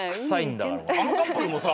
あのカップルもさ